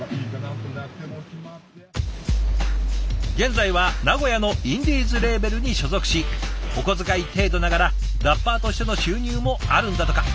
現在は名古屋のインディーズレーベルに所属しお小遣い程度ながらラッパーとしての収入もあるんだとか。